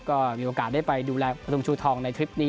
ก็มีโอกาสได้ไปดูแลประทุมชูทองในทริปนี้